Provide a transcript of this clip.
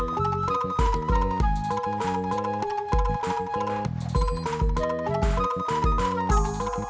jangan kadang kenakan sendirian kasih karanya yang telah akan tak involving kakak